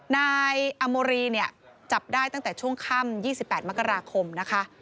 นายอโมรีเนี่ยจับได้ตั้งแต่ช่วงค่ำ๒๘มกราคมนะคะ